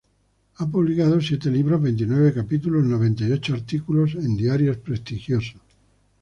Ha publicado siete libros, veintinueve capítulos, noventa y ocho artículos en diarios prestigiosos.